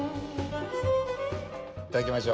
いただきましょう。